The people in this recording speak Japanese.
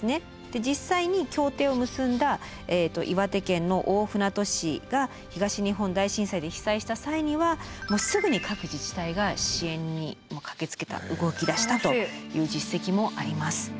で実際に協定を結んだ岩手県の大船渡市が東日本大震災で被災した際にはすぐに各自治体が支援に駆けつけた動き出したという実績もあります。